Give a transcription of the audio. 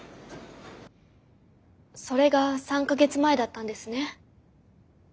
それが３か月前だったんですね。